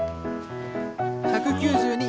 １９２！